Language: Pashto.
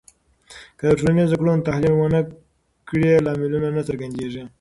که د ټولنیزو کړنو تحلیل ونه کړې، لاملونه نه څرګندېږي.